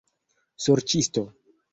Sorĉisto!